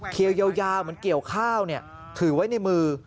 เขียวยาวเหมือนเกี่ยวข้าวถือไว้ในมือ